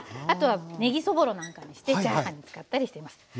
あとは「ねぎそぼろ」なんかにしてチャーハンに使ったりしています。